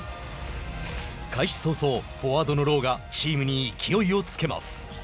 開始早々フォワードのローがチームに勢いをつけます。